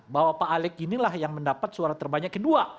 bahwa pak alex inilah yang mendapat suara terbanyak kedua